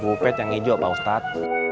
bupet yang hijau pak ustad